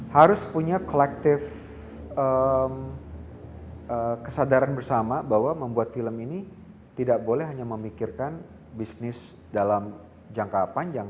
harus punya collective kesadaran bersama bahwa membuat film ini tidak boleh hanya memikirkan bisnis dalam jangka panjang